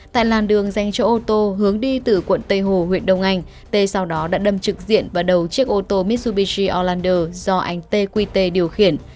tại làn đường dành cho ô tô hướng đi từ quận tây hồ huyện đông anh tê sau đó đã đâm trực diện và đầu chiếc ô tô mitsubishi orlando do anh tê quy tê điều khiển